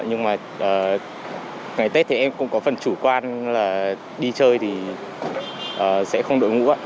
nhưng mà ngày tết thì em cũng có phần chủ quan là đi chơi thì sẽ không đội ngũ ạ